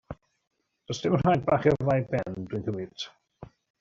Does dim rhaid bachu'r ddau ben, dw i'n cymryd?